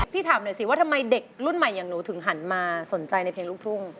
ถามหน่อยสิว่าทำไมเด็กรุ่นใหม่อย่างหนูถึงหันมาสนใจในเพลงลูกทุ่ง